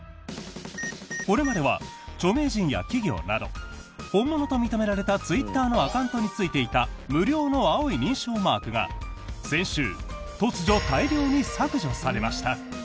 これまでは、著名人や企業など本物と認められたツイッターのアカウントについていた無料の青い認証マークが先週突如、大量に削除されました。